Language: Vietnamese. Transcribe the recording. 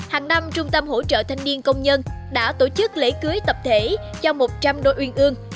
hàng năm trung tâm hỗ trợ thanh niên công nhân đã tổ chức lễ cưới tập thể cho một trăm linh đôi uyên ương